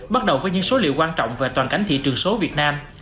bắt đầu với những số liệu quan trọng về toàn cảnh thị trường số việt nam